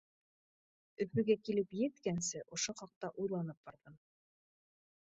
Өфөгә килеп еткәнсе ошо хаҡта уйланып барҙым.